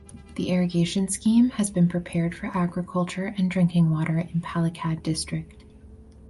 The irrigation scheme has been prepared for agriculture and drinking water in Palakkad district.